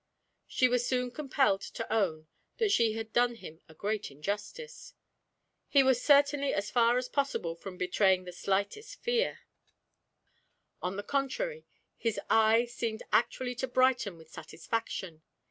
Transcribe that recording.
She was soon compelled to own that she had done him a great injustice. He was certainly as far as possible from betraying the slightest fear; on the contrary, his eye seemed actually to brighten with satisfaction.